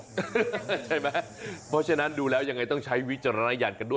ใช่มั้ยพอฉะนั้นดูแล้วยังไงต้องใช้วิจารณญาณกัน